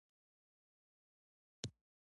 د لوبیا ګل د شکر لپاره وکاروئ